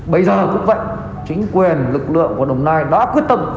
bây giờ cũng vậy chính quyền lực lượng của đồng nai đã quyết tâm